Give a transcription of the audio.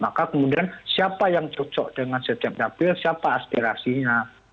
maka kemudian siapa yang cocok dengan setiap dapil siapa aspirasinya